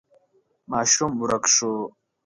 ماشوم ورک شو.